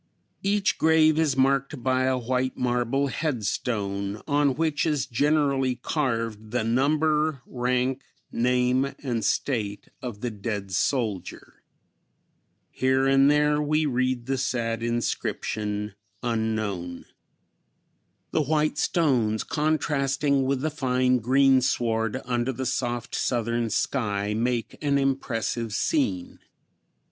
Each grave is marked by a white marble headstone, on which is generally carved the number, rank, name and state of the dead soldier. Here and there we read the sad inscription, "Unknown." The white stones contrasting with the fine greensward under the soft Southern sky make an impressive scene.